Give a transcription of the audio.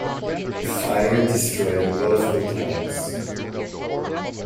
Fire destroyed both hotels.